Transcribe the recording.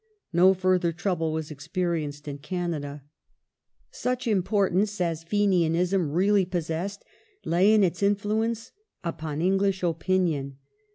No further trouble was experienced in Canada. Such importance as Fenianism really possessed lay in its influence in Eng upon English opinion.